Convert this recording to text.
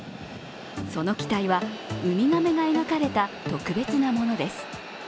その機体は海亀が描かれた特別なものです。